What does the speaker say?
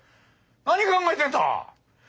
何考えてんだ！